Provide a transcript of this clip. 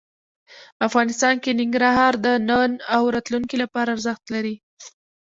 افغانستان کې ننګرهار د نن او راتلونکي لپاره ارزښت لري.